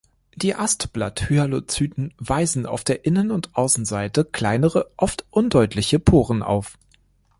Die Astblatt-Hyalocyten weisen auf der Innen- und Außenseite kleinere, oft undeutliche Poren auf.